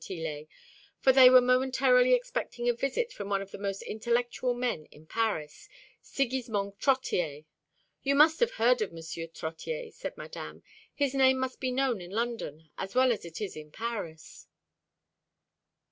Tillet, for they were momentarily expecting a visit from one of the most intellectual men in Paris, Sigismond Trottier. "You must have heard of M. Trottier," said Madame; "his name must be known in London as well as it is in Paris."